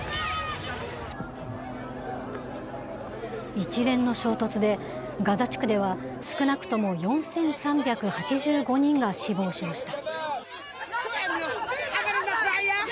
一連の衝突で、ガザ地区では少なくとも４３８５人が死亡しました。